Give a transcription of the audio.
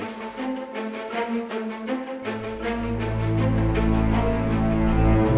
semula sahaja setad